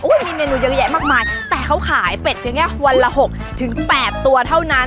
มีเมนูเยอะแยะมากมายแต่เขาขายเป็ดเพียงแค่วันละ๖๘ตัวเท่านั้น